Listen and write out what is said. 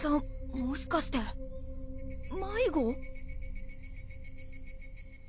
もしかして迷子？